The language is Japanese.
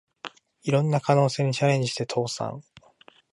いろんな可能性にチャレンジして倒産